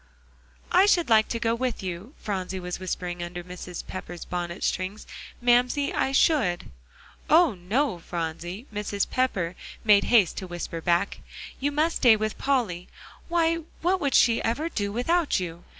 "I should like to go with you," Phronsie was whispering under Mrs. Pepper's bonnet strings, "Mamsie, I should." "Oh, no, Phronsie!" Mrs. Pepper made haste to whisper back. "You must stay with Polly. Why, what would she ever do without you?